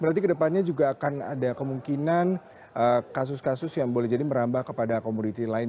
berarti kedepannya juga akan ada kemungkinan kasus kasus yang boleh jadi merambah kepada komoditi lain